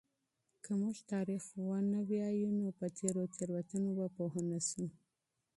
که موږ تاریخ ونه لولو نو په تېرو تېروتنو به پوه نسو.